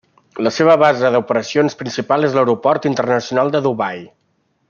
La seva base d'operacions principal és l'Aeroport Internacional de Dubai.